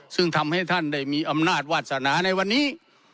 ซึ่งทำให้ท่านได้มีอำนาจวาสนาในวันนี้